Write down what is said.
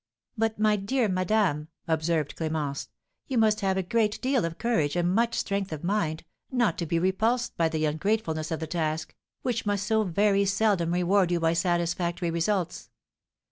"But my dear madame," observed Clémence, "you must have a great deal of courage, and much strength of mind, not to be repulsed by the ungratefulness of the task, which must so very seldom reward you by satisfactory results!"